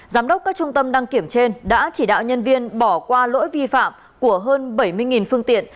giám đốc các trung tâm đăng kiểm trên đã chỉ đạo nhân viên bỏ qua lỗi vi phạm của hơn bảy mươi phương tiện